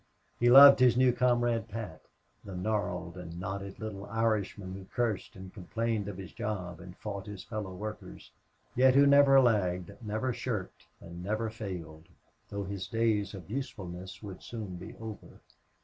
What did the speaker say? He loved his new comrade, Pat, the gnarled and knotted little Irishman who cursed and complained of his job and fought his fellow workers, yet who never lagged, never shirked, and never failed, though his days of usefulness must soon be over.